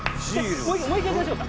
もう一回いきましょうか？